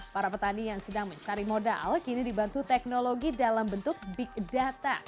para petani yang sedang mencari modal kini dibantu teknologi dalam bentuk big data